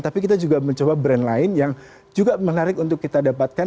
tapi kita juga mencoba brand lain yang juga menarik untuk kita dapatkan